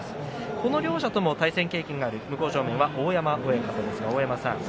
この両者とも対戦経験がある向正面、大山親方です。